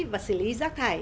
và xử lý giác thải